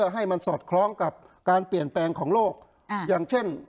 ให้มันสอดคล้องกับการเปลี่ยนแปลงของโลกอย่างเช่น